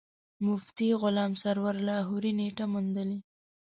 مفتي غلام سرور لاهوري نېټه موندلې.